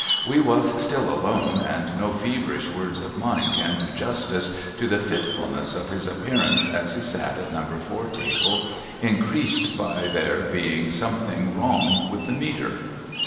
We was still alone, and no feverish words of mine can do justice to the fitfulness of his appearance as he sat at No. 4 table, increased by there being something wrong with the meter.